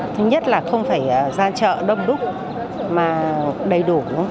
thứ nhất là không phải ra chợ đông đúc mà đầy đủ